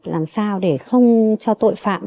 làm sao để không cho tội phạm